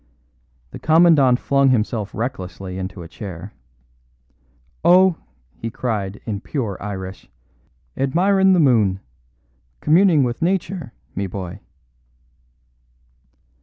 The Commandant flung himself recklessly into a chair. "Oh," he cried in pure Irish, "admirin' the moon. Communing with Nature, me bhoy."